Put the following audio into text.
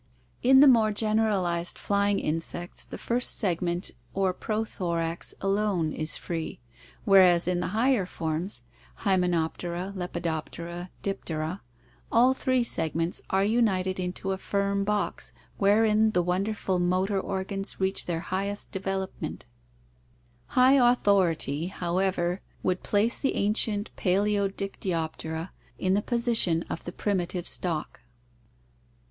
In the more generalized flying insects the first segment or prothorax alone is free, whereas in the higher forms — Hymenop tera, Lepidoptera, Diptera — all three segments are united into a firm box wherein the wonderful motor organs reach their highest development. 444 ORGANIC EVOLUTION High authority, however (see page 454), would place the ancient Palaeodictyoptera in the position of the primitive stock.